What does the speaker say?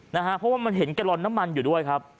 เพราะว่ามันเห็นแกลลอนน้ำมันอยู่ด้วยครับ